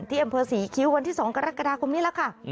ที่อำเภอศรีคิ้ววันที่๒กรกฎาคมนี้แล้วค่ะ